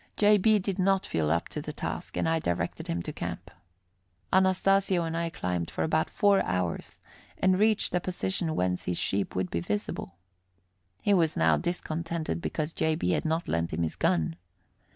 J. B. did not feel up to the task, and I directed him to camp. Anastasio and I climbed for about four hours, and reached a position whence his sheep would be visible. He was now discontented because J. B. had not lent him his gun.